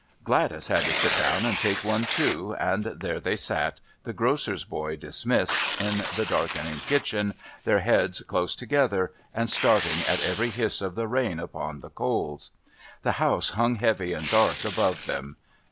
Gladys had to sit down and take one too, and there they sat, the grocer's boy dismissed, in the darkening kitchen, their heads close together, and starting at every hiss of the rain upon the coals. The house hung heavy and dark above them.